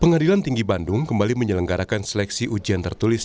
pengadilan tinggi bandung kembali menyelenggarakan seleksi ujian tertulis